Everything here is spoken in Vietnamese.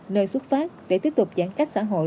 nơi xuất phát để tiếp tục giãn cách xã hội